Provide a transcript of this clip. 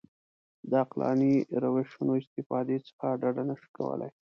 د عقلاني روشونو استفادې څخه ډډه نه شو کولای.